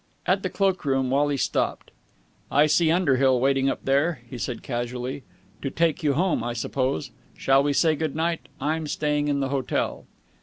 At the cloak room Wally stopped. "I see Underhill waiting up there," he said casually. "To take you home, I suppose. Shall we say good night? I'm staying in the hotel."